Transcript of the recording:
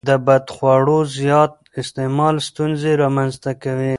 د بدخواړو زیات استعمال ستونزې رامنځته کوي.